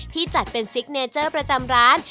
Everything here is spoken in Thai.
จัดเป็นซิกเนเจอร์ประจำร้าน